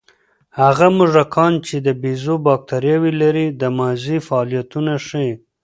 هغه موږکان چې د بیزو بکتریاوې لري، دماغي فعالیتونه ښيي.